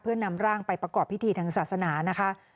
เพื่อนำร่างไปประกอบพิธีทางศาสนานะคะ